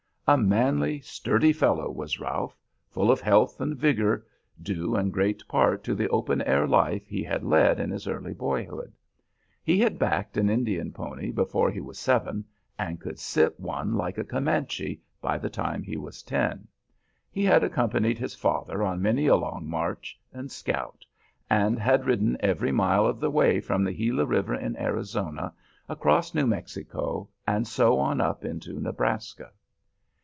A manly, sturdy fellow was Ralph, full of health and vigor, due in great part to the open air life he had led in his early boyhood. He had "backed" an Indian pony before he was seven, and could sit one like a Comanche by the time he was ten. He had accompanied his father on many a long march and scout, and had ridden every mile of the way from the Gila River in Arizona, across New Mexico, and so on up into Nebraska.